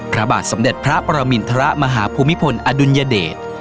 พระบาทสมเด็จพระประมินทรมาฮภูมิพลอดุลยเดช